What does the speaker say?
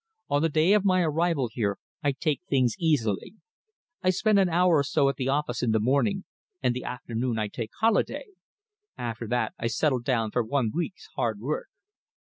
On the day of my arrival here, I take things easily. I spend an hour or so at the office in the morning, and the afternoon I take holiday. After that I settle down for one week's hard work.